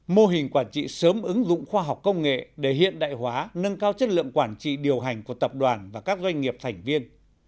mô hình quản trị sớm ứng dụng khoa học công nghệ để hiện đại hóa nâng cao chất lượng quản trị điều hành của tập đoàn và các doanh nghiệp thành viên